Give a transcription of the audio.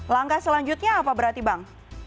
langkah selanjutnya apa berarti bang